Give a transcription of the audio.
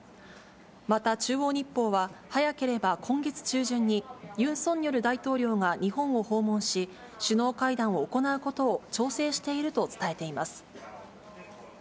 また中央日報は早ければ今月中旬にユン・ソンニョル大統領が日本を訪問し、首脳会談を行うことを調整していると伝えています。